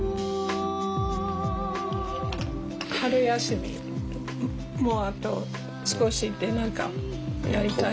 春休みもうあと少しで何かやりたい。